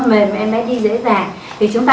mềm mà em bé đi dễ dàng thì chúng ta